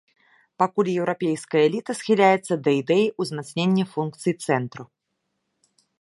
Пакуль еўрапейская эліта схіляецца да ідэі ўзмацнення функцый цэнтру.